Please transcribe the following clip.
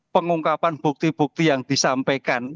pengungkapan bukti bukti yang disampaikan